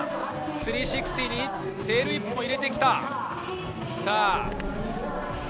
３６０にテールウィップを入れてきた。